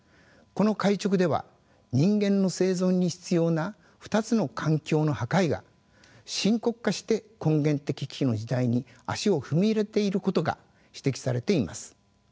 この回勅では人間の生存に必要な２つの環境の破壊が深刻化して根源的危機の時代に足を踏み入れていることが指摘されています。